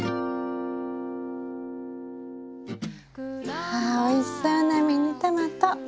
ああおいしそうなミニトマト。